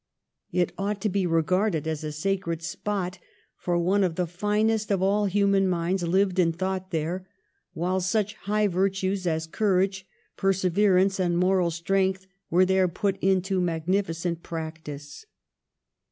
It ought to be re garded as a sacred spot, for one of the finest of all human minds lived and thought there, while such high virtues as courage, persever ance and moral strength were there put into magnificent practice.